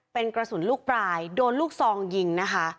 เป็นกระสุนลูกปลายโดนลูกซองยิงนะคะ